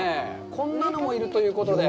こんなのもいるということで。